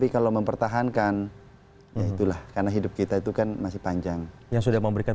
kalau mempertahankan ya itulah karena hidup kita itu kan masih panjang yang sudah memberikan